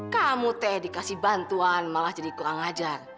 kamu teh dikasih bantuan malah jadi kurang ajar